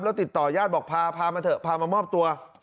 แล้วติดต่อยาดบอกพาพามาเถอะพามามอบตัว